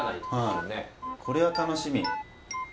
これは楽しみ。